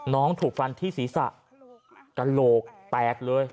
ถูกฟันที่ศีรษะกระโหลกแตกเลย